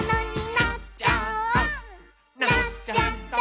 「なっちゃった！」